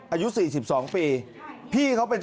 อาทิตย์๒๕อาทิตย์